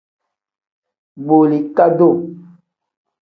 Booli kadoo.